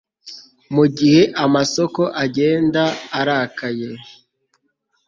mugihe amasoko agenda arakaye